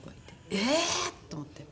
ええー！と思って。